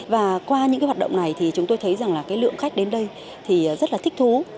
và qua những hoạt động này thì chúng tôi thấy rằng lượng khách đến đây rất thích thú